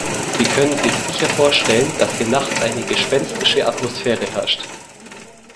Sie können sich sicher vorstellen, dass hier nachts eine gespenstische Atmosphäre herrscht.